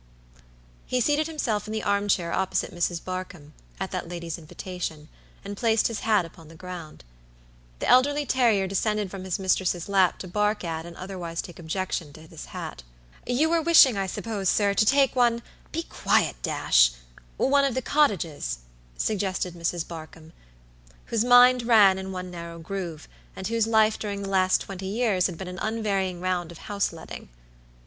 He seated himself in the arm chair opposite Mrs. Barkamb, at that lady's invitation, and placed his hat upon the ground. The elderly terrier descended from his mistress' lap to bark at and otherwise take objection to this hat. "You were wishing, I suppose, sir, to take onebe quiet, Dashone of the cottages," suggested Mrs. Barkamb, whose mind ran in one narrow groove, and whose life during the last twenty years had been an unvarying round of house letting.